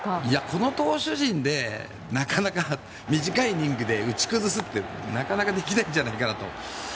この投手陣でなかなか短いイニングで打ち崩すって、なかなかできないんじゃないかなと。